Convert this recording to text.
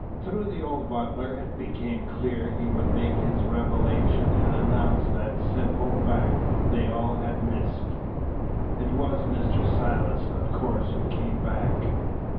Through the old butler, it became clear, he would make his revelation and announce that simple fact they all had missed. "It was Mr. Silas, of course, who came back?"